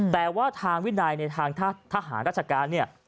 แต่ว่าทางวินัยในทางทหารราชการเนี่ย